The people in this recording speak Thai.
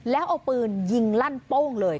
แล้วเอาปืนยิงลั่นโป้งเลย